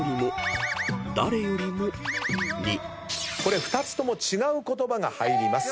これ２つとも違う言葉が入ります。